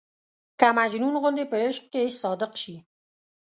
که مجنون غوندې په عشق کې صادق شي.